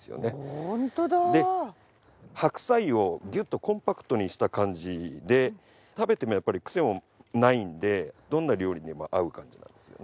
ホントだ！で白菜をギュッとコンパクトにした感じで食べてもやっぱりクセもないんでどんな料理にも合う感じなんですよね。